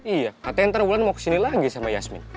iya katanya ntar bulan mau kesini lagi sama yasmin